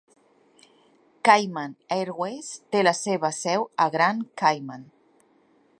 Cayman Airways té la seu a Grand Cayman.